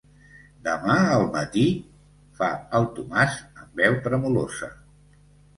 Demà al matí? –fa el Tomàs amb veu tremolosa.